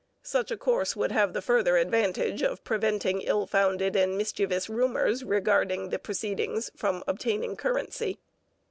Such a course would have the further advantage of preventing ill founded and mischievous rumours regarding the proceedings from obtaining currency.